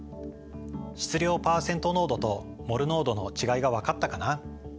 質量パーセント濃度とモル濃度の違いが分かったかな？